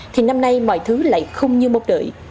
thì năm nay mọi thứ lại không như mong đợi